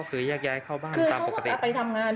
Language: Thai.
คือเขาก็ไปทำงาน